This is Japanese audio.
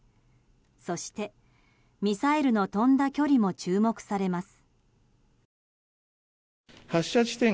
そしてミサイルの飛んだ距離も注目されます。